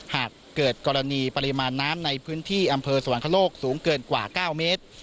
หากเกิดกรณีปริมาณน้ำในพื้นที่อำเภอสวรรคโลกสูงเกินกว่า๙เมตร